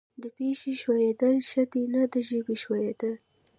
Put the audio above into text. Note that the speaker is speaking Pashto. د پښې ښویېدل ښه دي نه د ژبې ښویېدل.